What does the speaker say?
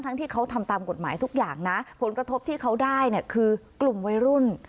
ที่เขาทำตามกฎหมายทุกอย่างนะผลกระทบที่เขาได้เนี่ยคือกลุ่มวัยรุ่น